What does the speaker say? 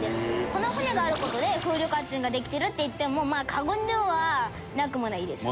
「この船がある事で風力発電ができてるって言ってもまあ過言ではなくもないです」